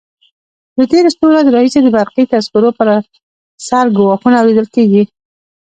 له تېرو څو ورځو راهیسې د برقي تذکرو پر سر ګواښونه اورېدل کېږي.